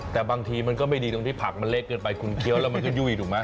แต่บางทีมันก็ไม่ดีตรงที่ผักมันเล็กเกินไปคุณเคี้ยวแล้วมันก็ยุ่ยถูกไหม